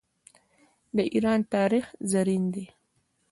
د ایران تاریخ زرین دی.